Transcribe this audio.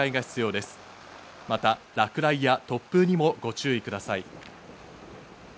また落雷や突風にもご注意ください。